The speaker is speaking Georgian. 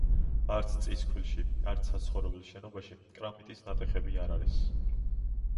არც წისქვილში, არც საცხოვრებელ შენობაში კრამიტის ნატეხები არ არის.